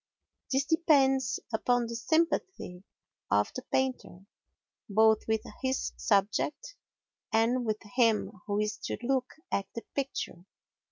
This depends upon the sympathy of the painter both with his subject and with him who is to look at the picture.